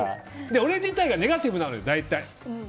俺自体がネガティブなのよ、大体。